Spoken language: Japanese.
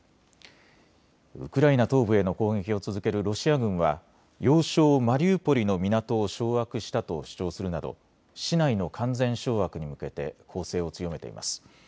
ウクライナ東部への攻撃を続けるロシア軍は要衝マリウポリの港を掌握したと主張するなど市内の完全掌握に向けて攻勢を強めています。